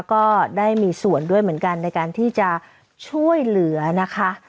ก็ได้มีส่วนด้วยเหมือนกันในการที่จะช่วยเหลือนะคะ